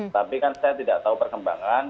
tapi kan saya tidak tahu perkembangan